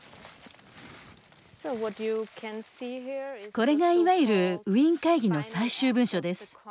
これがいわゆるウィーン会議の最終文書です。